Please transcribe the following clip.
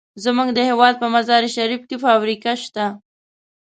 زمونږ د هېواد په مزار شریف کې فابریکه شته.